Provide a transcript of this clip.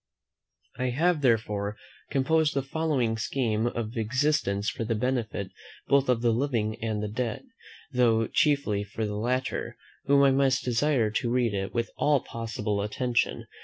I have, therefore, composed the following scheme of existence for the benefit both of the living and the dead; though chiefly for the latter, whom I must desire to read it with all possible attention.